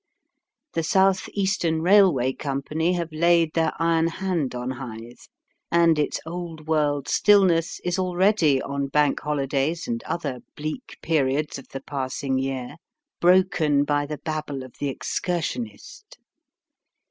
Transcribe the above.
The South Eastern Railway Company have laid their iron hand on Hythe, and its old world stillness is already on Bank Holidays and other bleak periods of the passing year broken by the babble of the excursionist.